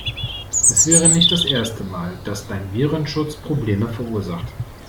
Es wäre nicht das erste Mal, dass dein Virenschutz Probleme verursacht.